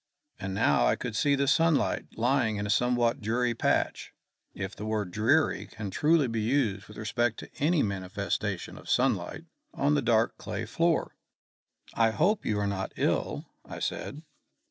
And now I could see the sunlight lying in a somewhat dreary patch, if the word dreary can be truly used with respect to any manifestation of sunlight, on the dark clay floor. "I hope you are not ill," I said.